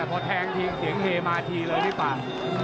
พอแทงเรียนแรงเท่าไหร่เลยพี่ปั๊ะ